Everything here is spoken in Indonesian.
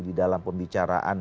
di dalam pembicaraan